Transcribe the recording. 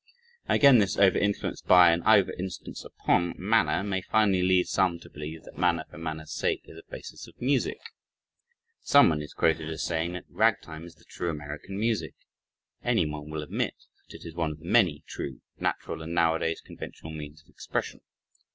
Again, this over influence by and over insistence upon "manner" may finally lead some to believe "that manner for manner's sake is a basis of music." Someone is quoted as saying that "ragtime is the true American music." Anyone will admit that it is one of the many true, natural, and, nowadays, conventional means of expression.